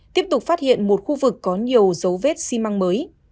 tiếp tục phát hiện một khu vực có nhiều dấu vết xi măng mới